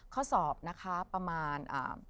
ข้อสอบนะคะประมาณ